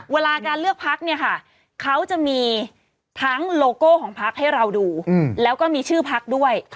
เวลาการเลือกพักเนี่ยค่ะเขาจะมีทั้งโลโก้ของพักให้เราดูแล้วก็มีชื่อพักด้วย